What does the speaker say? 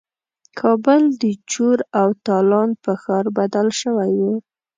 کابل د چور او تالان په ښار بدل شوی وو.